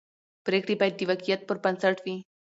پرېکړې باید د واقعیت پر بنسټ وي